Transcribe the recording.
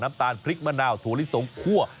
ตาลพริกมะนาวถั่วลิสงคั่ว